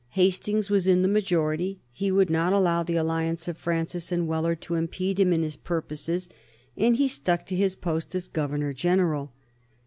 Hastings was in the majority; he would not allow the alliance of Francis and Wheler to impede him in his purposes, and he stuck to his post as Governor General.